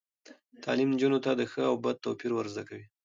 تعلیم نجونو ته د ښه او بد توپیر ور زده کوي.